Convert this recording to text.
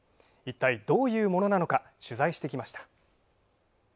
一体どういうものなのか、取材してきました。